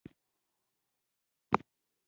هرات د افغانانو د ګټورتیا یوه برخه ده.